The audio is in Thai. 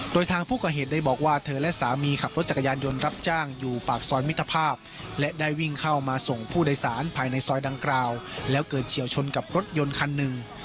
โดยทางผู้ก่อเหตุได้บอกว่าเธอและสามีขับรถจักรยานยนต์รับจ้างอยู่ปากซอยมิตรภาพและได้วิ่งเข้ามาส่งผู้โดยสารภายในซอยดังกล่าวแล้วเกิดเฉียวชนกับรถยนต์คันหนึ่ง